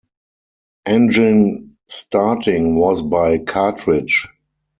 Engine starting was by cartridge.